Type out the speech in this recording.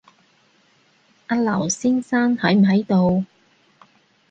阿劉先生喺唔喺度